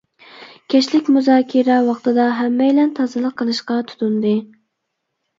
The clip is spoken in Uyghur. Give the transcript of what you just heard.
كەچلىك مۇزاكىرە ۋاقتىدا ھەممەيلەن تازىلىق قىلىشقا تۇتۇندى.